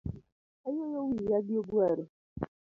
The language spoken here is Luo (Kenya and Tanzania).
Ayuoyo wiya gi oguaru